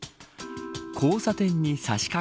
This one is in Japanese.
交差点に差し掛